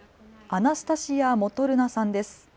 アナスタシア・モトルナさんです。